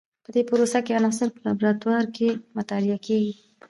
په دې پروسه کې عناصر په لابراتوار کې مطالعه کیږي.